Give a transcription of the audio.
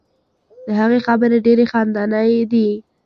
د هغې خبرې ډیرې خندنۍ دي.